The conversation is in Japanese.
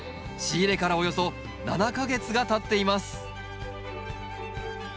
仕入れからおよそ７か月がたっています。